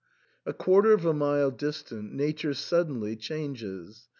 A quarter of a mile distant Nature suddenly changes.